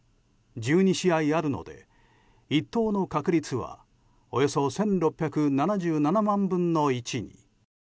１２試合あるので１等の確率はおよそ１６７７万分の１に。